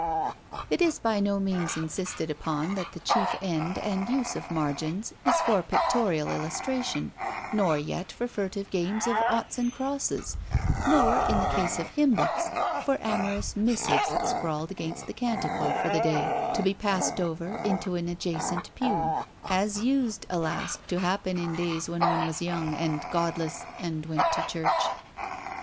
It is by no means insisted upon that the chief end and use of margins is for pictorial illustration, nor yet for furtive games of oughts and crosses, nor (in the case of hymn books) for amorous missives scrawled against the canticle for the day, to be passed over into an adjacent pew: as used, alas! to happen in days when one was young and godless, and went to church.